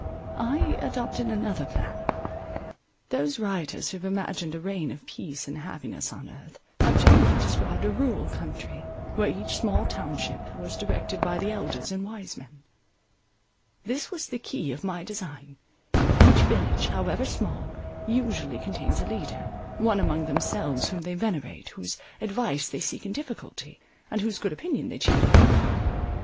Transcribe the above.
I adopted another plan. Those writers who have imagined a reign of peace and happiness on earth, have generally described a rural country, where each small township was directed by the elders and wise men. This was the key of my design. Each village, however small, usually contains a leader, one among themselves whom they venerate, whose advice they seek in difficulty, and whose good opinion they chiefly value.